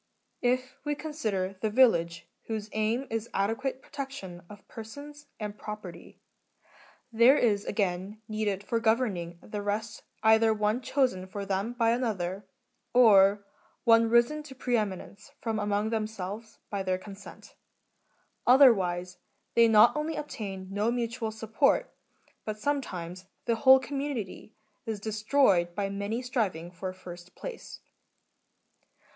* If we consider the village, whose aim is adequate protection of persons, and property, there is again needed for governing the rest either one chosen for them by another, or one risen to preeminence from among them selves by their consent ; otherwise, they not only obtain no mutual support, but sometimes the whole community is destroyed by many striving for first place.